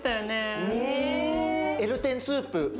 エルテンスープ。